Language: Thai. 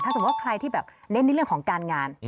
สมมุติว่าใครที่แบบเน้นในเรื่องของการงาน